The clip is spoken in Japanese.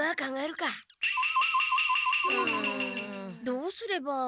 どうすれば。